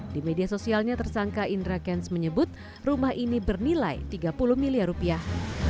di media sosialnya tersangka indra kents menyebut rumah ini bernilai tiga puluh miliar rupiah